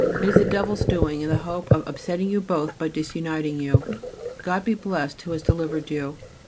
It is the devil's doing, in the hope of upsetting you both by disuniting you. God be blessed who has delivered you.